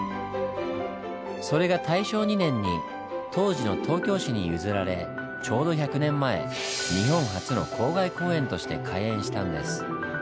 それが大正２年に当時の東京市に譲られちょうど１００年前日本初の郊外公園として開園したんです。